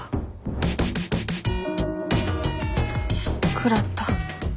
食らった。